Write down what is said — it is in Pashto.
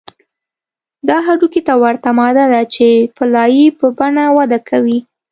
دا هډوکي ته ورته ماده ده چې په لایې په بڼه وده کوي